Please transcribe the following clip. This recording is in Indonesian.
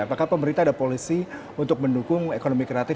apakah pemerintah ada polisi untuk mendukung ekonomi kreatif